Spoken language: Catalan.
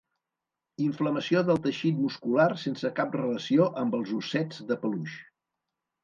Inflamació del teixit muscular sense cap relació amb els ossets de peluix.